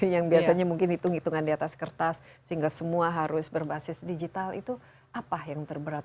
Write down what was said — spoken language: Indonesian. yang biasanya mungkin hitung hitungan di atas kertas sehingga semua harus berbasis digital itu apa yang terberat